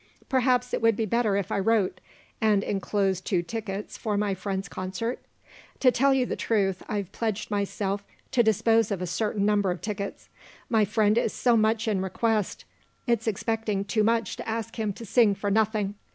Perhaps it would be better if I wrote, and enclosed two tickets for my friend's concert? To tell you the truth, I've pledged myself to dispose of a certain number of tickets. My friend is so much in request it's expecting too much to ask him to sing for nothing.